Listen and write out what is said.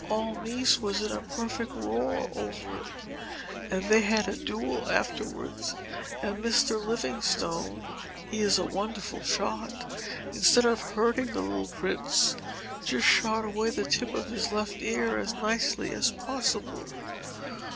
All Nice was in a perfect roar over it. And they had a duel afterwards, and Mr. Livingstone he is a wonderful shot instead of hurting the little prince, just shot away the tip of his left ear as nicely as possible.